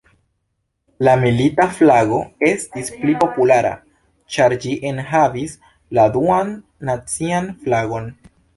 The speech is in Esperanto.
La Milita Flago estis pli populara, ĉar ĝi enhavis la Duan Nacian Flagon.